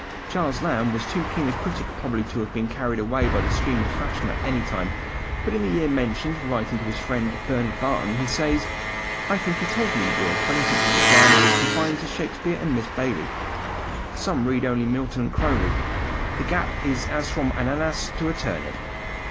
Charles Lamb was too keen a critic probably to have been carried away by the stream of fashion at any time; but in the year mentioned, writing to his friend Bernard Barton, he says: "I think you told me your acquaintance with the drama was confined to Shakespeare and Miss Baillie: some read only Milton and Croly. The gap is as from an ananas to a turnip."